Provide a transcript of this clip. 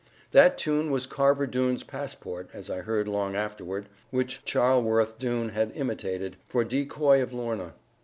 That tune was Carver Doone's passport (as I heard long afterward), which Charleworth Doone had imitated, for decoy of Lorna.